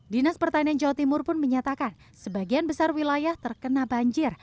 dinas pertanian jawa timur pun menyatakan sebagian besar wilayah terkena banjir